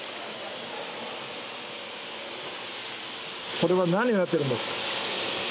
これは何をやってるんですか？